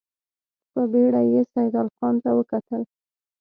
په بېړه يې سيدال خان ته وکتل.